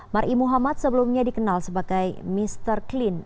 mar'i muhammad sebelumnya dikenal sebagai mr clean